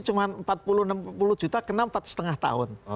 cuma empat puluh enam puluh juta kena empat lima tahun